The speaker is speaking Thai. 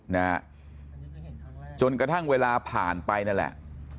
ไม่มีอะไรเกิดขึ้นนะฮะจนกระทั่งเวลาผ่านไปนั่นแหละ